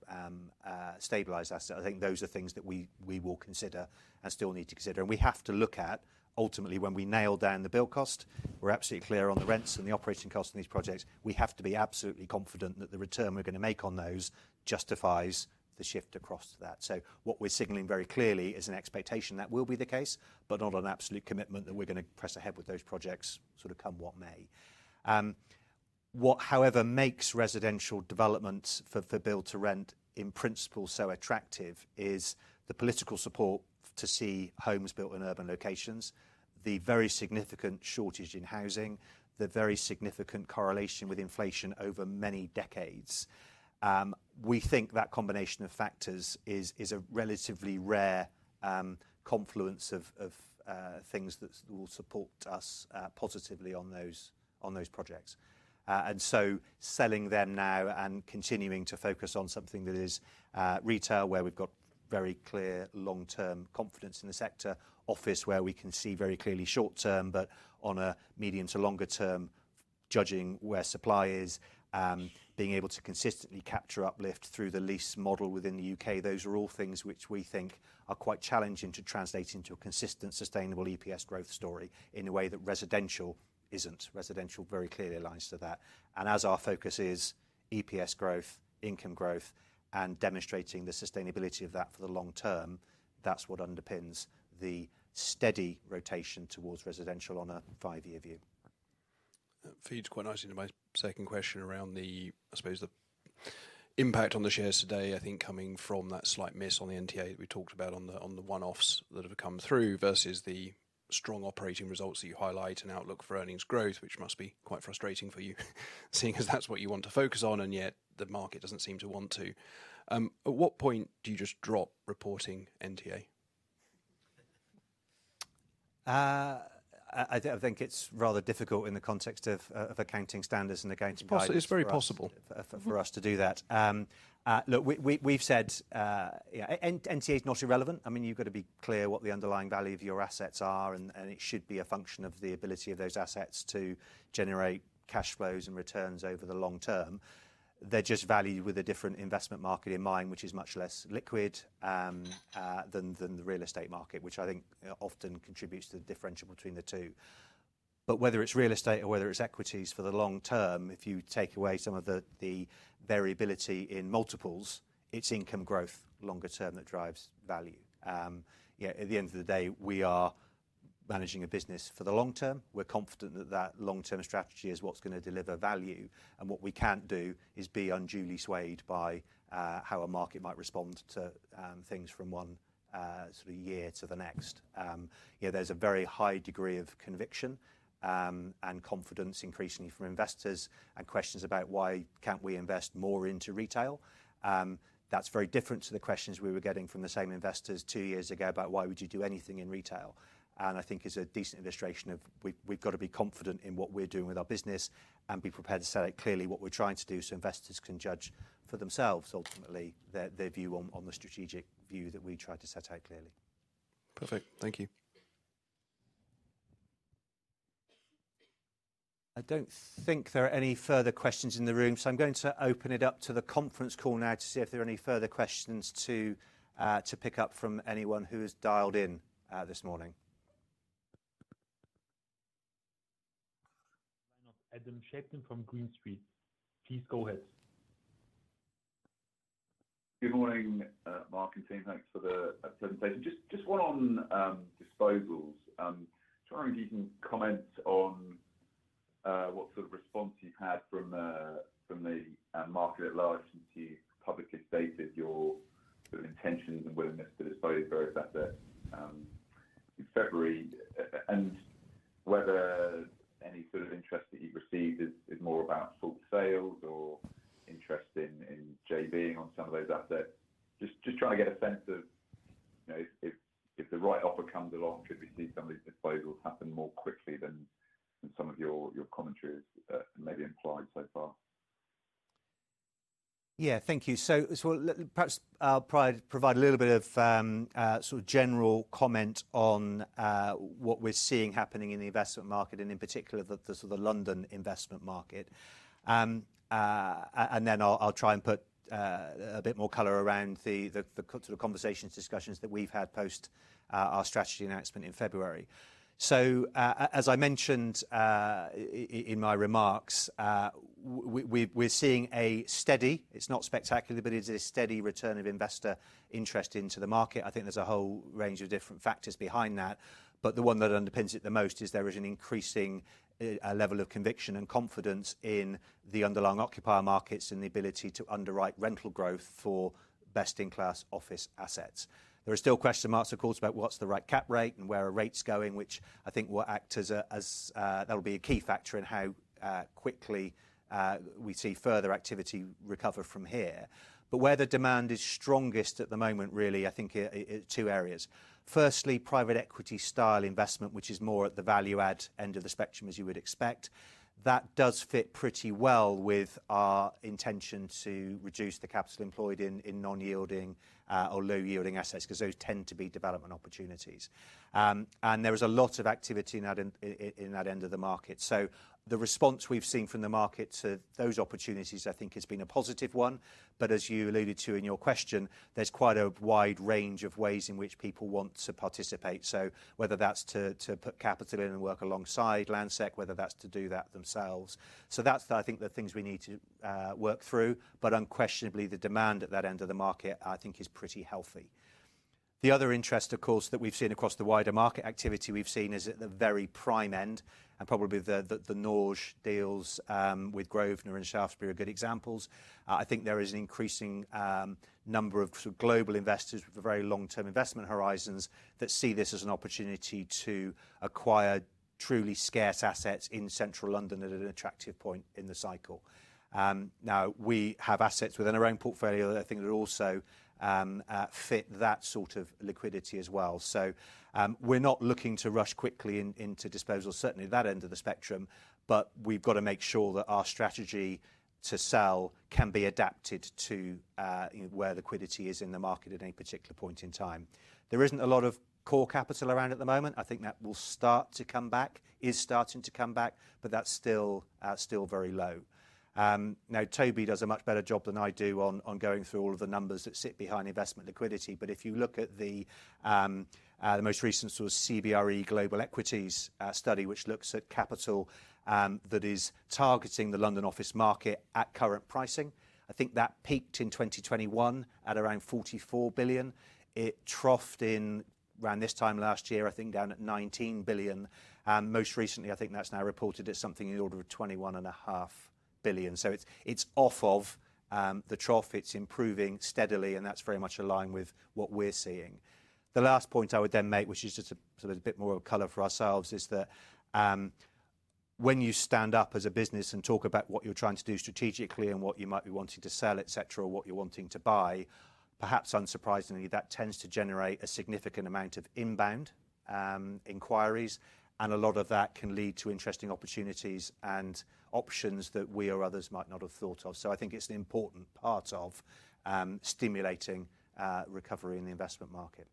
stabilized assets, I think those are things that we will consider and still need to consider. We have to look at ultimately when we nail down the build cost, we are absolutely clear on the rents and the operating costs in these projects. We have to be absolutely confident that the return we are going to make on those justifies the shift across to that. What we're signaling very clearly is an expectation that will be the case, but not an absolute commitment that we're going to press ahead with those projects sort of come what may. What however makes residential developments for build to rent in principle so attractive is the political support to see homes built in urban locations, the very significant shortage in housing, the very significant correlation with inflation over many decades. We think that combination of factors is a relatively rare confluence of things that will support us positively on those projects. Selling them now and continuing to focus on something that is retail where we've got very clear long-term confidence in the sector, office where we can see very clearly short-term, but on a medium to longer term, judging where supply is, being able to consistently capture uplift through the lease model within the U.K., those are all things which we think are quite challenging to translate into a consistent sustainable EPS growth story in a way that residential is not. Residential very clearly aligns to that. As our focus is EPS growth, income growth, and demonstrating the sustainability of that for the long term, that is what underpins the steady rotation towards residential on a five-year view. Feeds quite nicely into my second question around the, I suppose, the impact on the shares today. I think coming from that slight miss on the NTA that we talked about on the one-offs that have come through versus the strong operating results that you highlight and outlook for earnings growth, which must be quite frustrating for you seeing as that's what you want to focus on, and yet the market doesn't seem to want to. At what point do you just drop reporting NTA? I think it's rather difficult in the context of accounting standards and accounting priorities. It's very possible for us to do that. Look, we've said NTA is not irrelevant. I mean, you've got to be clear what the underlying value of your assets are, and it should be a function of the ability of those assets to generate cash flows and returns over the long term. They're just valued with a different investment market in mind, which is much less liquid than the real estate market, which I think often contributes to the differential between the two. Whether it's real estate or whether it's equities for the long term, if you take away some of the variability in multiples, it's income growth longer term that drives value. At the end of the day, we are managing a business for the long term. We're confident that that long-term strategy is what's going to deliver value. What we can't do is be unduly swayed by how a market might respond to things from one sort of year to the next. There's a very high degree of conviction and confidence increasingly from investors and questions about why can't we invest more into retail. That's very different to the questions we were getting from the same investors two years ago about why would you do anything in retail. I think it's a decent illustration of we've got to be confident in what we're doing with our business and be prepared to set out clearly what we're trying to do so investors can judge for themselves ultimately their view on the strategic view that we tried to set out clearly. Perfect. Thank you. I don't think there are any further questions in the room, so I'm going to open it up to the conference call now to see if there are any further questions to pick up from anyone who has dialed in this morning. Adam Shapton from Green Street. Please go ahead. Good morning, Mark. And thanks for the presentation. Just one on disposals. I'm trying to make some comments on what sort of response you've had from the market at large since you publicly stated your intentions and willingness to dispose of various assets in February. And whether any sort of interest that you've received is more about full sales or interest in JVing on some of those assets. Just trying to get a sense of if the right offer comes along, could we see some of these disposals happen more quickly than some of your commentaries maybe implied so far? Yeah, thank you. Perhaps I'll provide a little bit of sort of general comment on what we're seeing happening in the investment market and in particular the London investment market. I'll try and put a bit more color around the sort of conversations, discussions that we've had post our strategy announcement in February. As I mentioned in my remarks, we're seeing a steady, it's not spectacular, but it is a steady return of investor interest into the market. I think there's a whole range of different factors behind that. The one that underpins it the most is there is an increasing level of conviction and confidence in the underlying occupier markets and the ability to underwrite rental growth for best-in-class office assets. There are still question marks, of course, about what's the right cap rate and where are rates going, which I think will act as that will be a key factor in how quickly we see further activity recover from here. Where the demand is strongest at the moment, really, I think two areas. Firstly, private equity style investment, which is more at the value-add end of the spectrum, as you would expect. That does fit pretty well with our intention to reduce the capital employed in non-yielding or low-yielding assets because those tend to be development opportunities. There is a lot of activity in that end of the market. The response we've seen from the market to those opportunities, I think, has been a positive one. As you alluded to in your question, there's quite a wide range of ways in which people want to participate. Whether that's to put capital in and work alongside Landsec, whether that's to do that themselves. That's, I think, the things we need to work through. Unquestionably, the demand at that end of the market, I think, is pretty healthy. The other interest, of course, that we've seen across the wider market activity we've seen is at the very prime end and probably the Nord deals with Grove and Shaftesbury are good examples. I think there is an increasing number of global investors with very long-term investment horizons that see this as an opportunity to acquire truly scarce assets in central London at an attractive point in the cycle. We have assets within our own portfolio that I think also fit that sort of liquidity as well. We're not looking to rush quickly into disposals, certainly at that end of the spectrum, but we've got to make sure that our strategy to sell can be adapted to where liquidity is in the market at any particular point in time. There isn't a lot of core capital around at the moment. I think that will start to come back, is starting to come back, but that's still very low. Now, Toby does a much better job than I do on going through all of the numbers that sit behind investment liquidity. If you look at the most recent sort of CBRE Global Equities study, which looks at capital that is targeting the London office market at current pricing, I think that peaked in 2021 at around 44 billion. It troughed in around this time last year, I think, down at 19 billion. Most recently, I think that's now reported at something in the order of 21.5 billion. It's off of the trough. It's improving steadily, and that's very much aligned with what we're seeing. The last point I would then make, which is just a bit more of color for ourselves, is that when you stand up as a business and talk about what you're trying to do strategically and what you might be wanting to sell, etc., or what you're wanting to buy, perhaps unsurprisingly, that tends to generate a significant amount of inbound inquiries. A lot of that can lead to interesting opportunities and options that we or others might not have thought of. I think it's an important part of stimulating recovery in the investment market.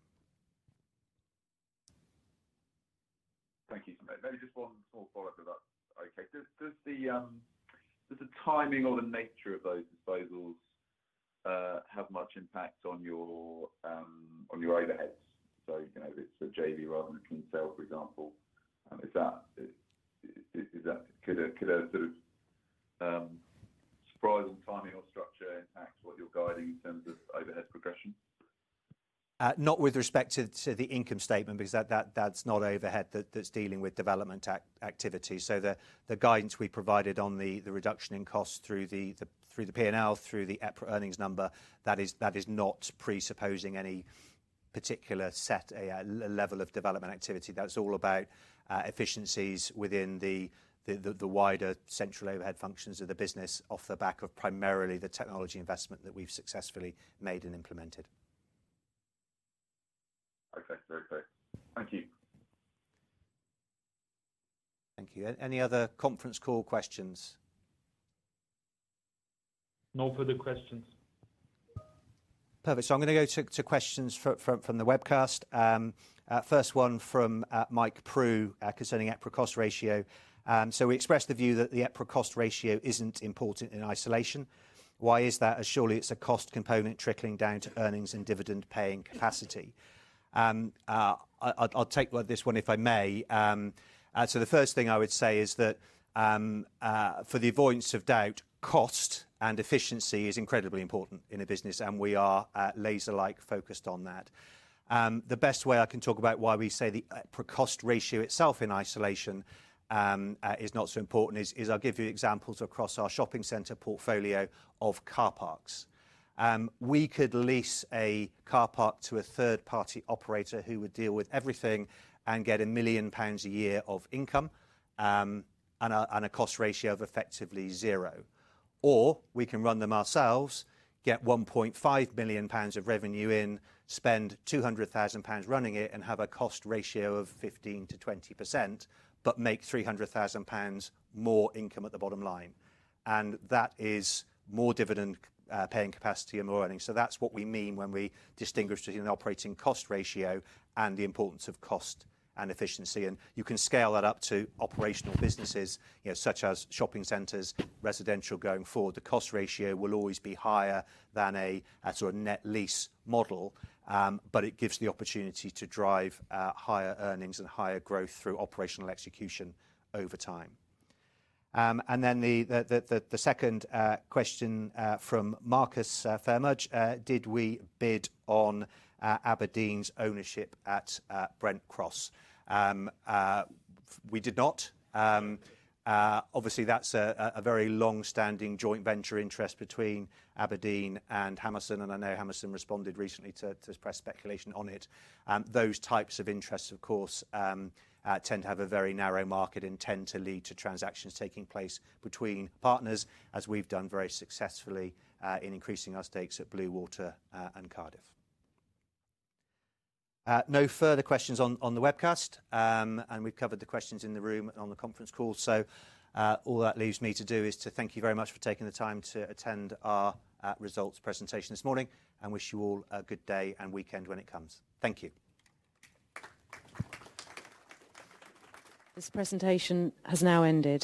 Thank you. Maybe just one small follow-up if that's okay. Does the timing or the nature of those disposals have much impact on your overheads? If it's a JV rather than a clean sale, for example, could a sort of surprising timing or structure impact what you're guiding in terms of overhead progression? Not with respect to the income statement, because that's not overhead, that's dealing with development activity. The guidance we provided on the reduction in costs through the P&L, through the EPRA earnings number, is not presupposing any particular set level of development activity. That's all about efficiencies within the wider central overhead functions of the business off the back of primarily the technology investment that we've successfully made and implemented. Okay. Perfect. Thank you. Thank you. Any other conference call questions? No further questions. Perfect. I'm going to go to questions from the webcast. First one from Mike Prue concerning EPRA cost ratio. We expressed the view that the EPRA cost ratio isn't important in isolation. Why is that? Surely it's a cost component trickling down to earnings and dividend-paying capacity. I'll take this one if I may. The first thing I would say is that for the avoidance of doubt, cost and efficiency is incredibly important in a business, and we are laser-like focused on that. The best way I can talk about why we say the EPRA cost ratio itself in isolation is not so important is I'll give you examples across our shopping center portfolio of car parks. We could lease a car park to a third-party operator who would deal with everything and get 1 million pounds a year of income and a cost ratio of effectively zero. Or we can run them ourselves, get 1.5 million pounds of revenue in, spend 200,000 pounds running it, and have a cost ratio of 15%-20%, but make 300,000 pounds more income at the bottom line. That is more dividend-paying capacity and more earnings. That is what we mean when we distinguish between an operating cost ratio and the importance of cost and efficiency. You can scale that up to operational businesses such as shopping centers, residential going forward. The cost ratio will always be higher than a net lease model, but it gives the opportunity to drive higher earnings and higher growth through operational execution over time. The second question from Marcus Fairmudge: Did we bid on Aberdeen's ownership at Brent Cross? We did not. Obviously, that is a very long-standing joint venture interest between Aberdeen and Hammerson. I know Hammerson responded recently to press speculation on it. Those types of interests, of course, tend to have a very narrow market and tend to lead to transactions taking place between partners, as we have done very successfully in increasing our stakes at Bluewater and Cardiff. No further questions on the webcast. We have covered the questions in the room and on the conference call. All that leaves me to do is to thank you very much for taking the time to attend our results presentation this morning and wish you all a good day and weekend when it comes. Thank you. This presentation has now ended.